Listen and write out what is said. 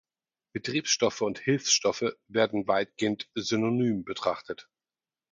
Betriebsstoffe und Hilfsstoffe werden weitgehend synonym betrachtet.